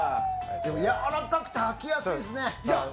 でも、やわらかくて履きやすいですね。